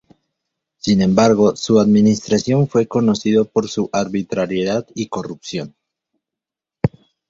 Sin embargo, su administración fue conocido por su arbitrariedad y corrupción.